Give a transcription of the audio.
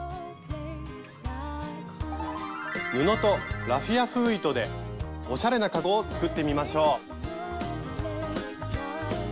布とラフィア風糸でおしゃれなかごを作ってみましょう！